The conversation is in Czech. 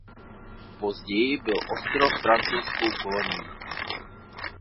Později byl ostrov francouzskou kolonií.